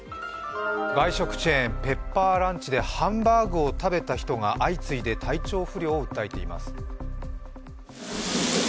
外食チェーン、ペッパーランチでハンバーグを食べた人が相次いで体調不良を訴えています。